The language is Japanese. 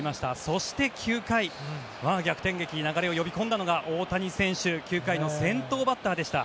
そして、９回逆転劇、流れを呼び込んだのが大谷選手９回の先頭バッターでした。